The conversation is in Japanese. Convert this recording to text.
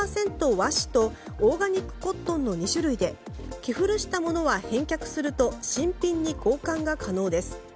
和紙とオーガニックコットンの２種類で着古したものは返却すると新品に交換が可能です。